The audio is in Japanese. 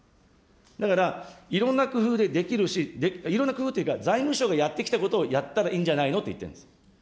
だから、いろんな工夫でできるし、いろんな工夫っていうか、財務省がやってきたことをやったらいいんじゃないのと言ってるんです。